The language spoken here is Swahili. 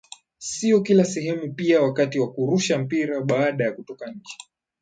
sio kila sehemu pia wakati wa kurusha mpira baada ya kutoka nje